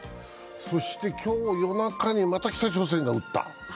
そして今日、夜中にまた北朝鮮が撃った。